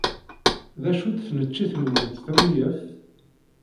D acu-tt tneččit-nwent tamuyaft?